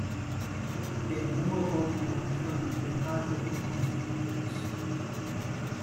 They are more about having fun than high performance or tricks.